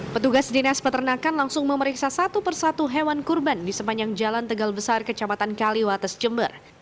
petugas dinas peternakan langsung memeriksa satu persatu hewan kurban di sepanjang jalan tegal besar kecamatan kaliwates jember